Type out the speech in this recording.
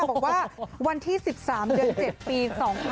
บอกว่าวันที่๑๓เดือน๗ปี๒๕๖๒